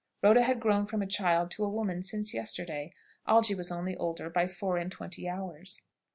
Rhoda had grown from a child to a woman since yesterday. Algy was only older by four and twenty hours.